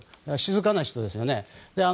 静かな人ですよね。